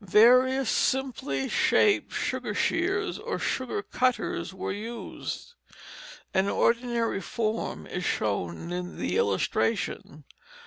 Various simply shaped sugar shears or sugar cutters were used. An ordinary form is shown in the illustration.